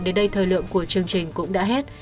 đến đây thời lượng của chương trình cũng đã hết